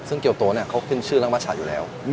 ซึ่งเกียวโตเขาขึ้นชื่อรักมัดฉะอยู่แล้ว